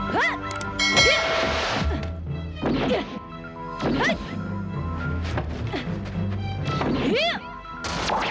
bahkan baik baik saja